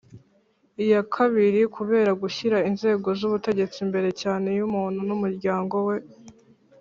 iya kabili kubera gushyira inzego z' ubutegetsi imbere cyane y' umuntu n' umuryango we